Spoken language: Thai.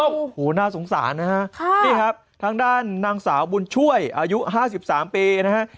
โอ้โหน่าสงสารนะฮะนี่ครับทางด้านนางสาวบุญช่วยอายุ๕๓ปีนะฮะ